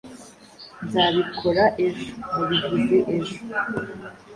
Nzabikora ejo." "Wabivuze ejo!"